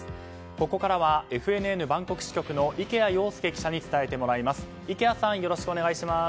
ここからはＦＮＮバンコク支局の池谷庸介記者に伝えてもらいます。